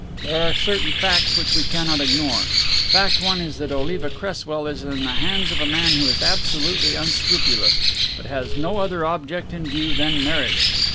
There are certain facts which we cannot ignore. Fact one is that Oliva Cresswell is in the hands of a man who is absolutely unscrupulous, but has no other object in view than marriage.